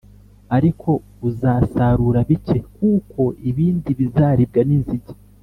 ariko uzasarura bike+ kuko ibindi bizaribwa n’inzige